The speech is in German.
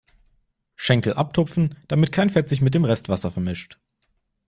Schenkel abtupfen, damit kein Fett sich mit dem Rest Wasser vermischt.